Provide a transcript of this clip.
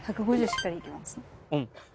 しっかりいきます。